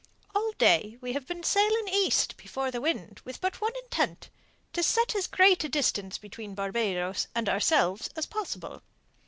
All day we have been sailing east before the wind with but one intent to set as great a distance between Barbados and ourselves as possible.